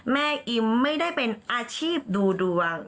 อิมไม่ได้เป็นอาชีพดูดวง